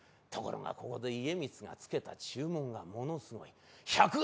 ところがここで家光がつけた注文がものすごい。